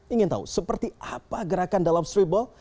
ingin tahu seperti apa gerakan dalam streetball